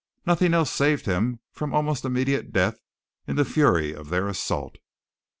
Nothing else saved him from almost immediate death in the fury of their assault.